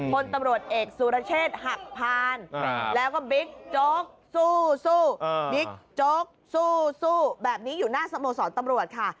คนตำรวจเอกสุรเชษฐ์หักพานแล้วก็บิ๊กโจ๊กสู้บิ๊กโจ๊กสู้แบบนี้อยู่หน้าสโมสรตำรวจค่ะ